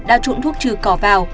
đã trộn thuốc trừ cỏ vào